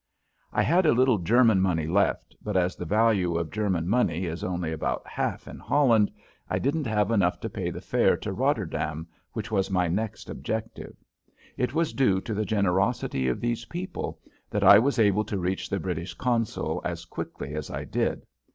I had a little German money left, but as the value of German money is only about half in Holland, I didn't have enough to pay the fare to Rotterdam, which was my next objective. It was due to the generosity of these people that I was able to reach the British consul as quickly as I did.